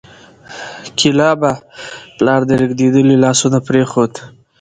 کلابه! پلار دې رېږدېدلي لاسونه پرېښود